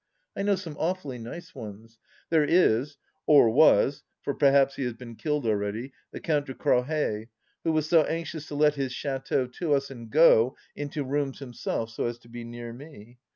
I know some awfully nice ones. There is — or was, for perhaps he has been killed already — the Count de Crawhez, who was so anxious to let his chateau to us and go into rooms himself so as to be near me.